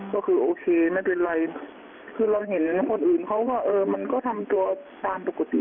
ก็คือโอเคไม่เป็นไรคือเราเห็นคนอื่นเขาก็เออมันก็ทำตัวตามปกติ